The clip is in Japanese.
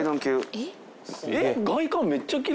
えっ？